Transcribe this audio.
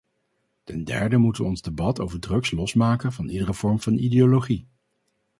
Ten derde moeten we ons debat over drugs losmaken van iedere vorm van ideologie.